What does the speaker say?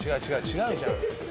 違うじゃん。